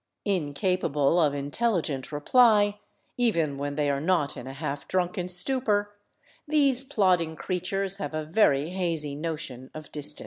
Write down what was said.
Incapable of intelligent reply, even when they are not in a half drunken stupor, these plodding creatures have a very hazy notion of distance.